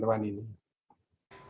jadi artinya tidak ada yang memperkenalkan